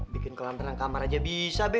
bikin kelam tenang kamar aja bisa be